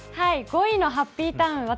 ５位のハッピーターン、私